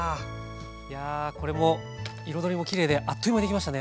いやこれも彩りもきれいであっという間に出来ましたね。